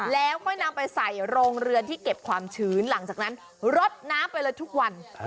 แล้วค่อยนำไปใส่โรงเรือนที่เก็บความชื้นหลังจากนั้นรดน้ำไปเลยทุกวัน